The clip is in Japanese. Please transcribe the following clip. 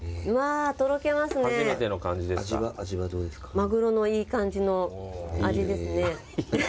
マグロのいい感じの味ですね。